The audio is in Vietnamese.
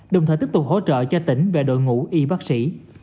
đồng thời tiếp tục hỗ trợ cho tỉnh về đội ngũ y bác sĩ